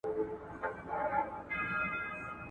مونږ بايد په ټولنه کي زغم ته وده ورکړو.